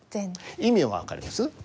意味は分かります？